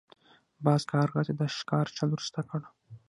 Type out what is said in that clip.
باز کارغه ته د ښکار چل ور زده کړ.